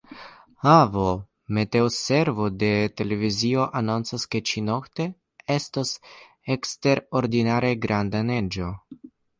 Avo, meteoservo de televizio anoncas, ke ĉi-nokte estos eksterordinare granda neĝo.